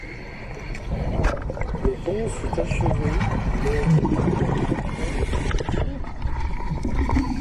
Le pont fut achevé le après quatre ans de construction.